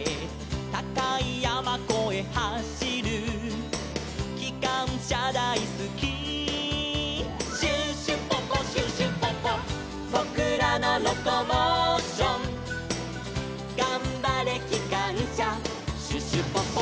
「たかいやまこえはしる」「きかんしゃだいすき」「シュシュポポシュシュポポ」「ぼくらのロコモーション」「がんばれきかんしゃシュシュポポ」